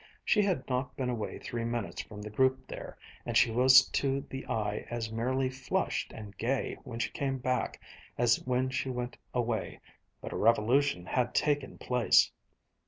She had not been away three minutes from the group there, and she was to the eye as merely flushed and gay when she came back as when she went away; but a revolution had taken place.